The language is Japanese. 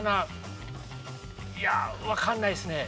いやわからないですね。